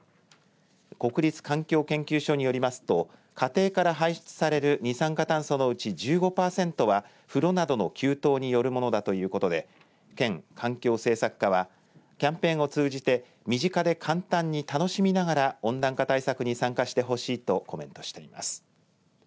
国立環境研究所によりますと家庭から排出される二酸化炭素のうち１５パーセントは風呂などの給湯によるものだということで県環境政策課はキャンペーンを通じて身近で簡単に楽しみながら温暖化対策に参加してほしいとコメントしています。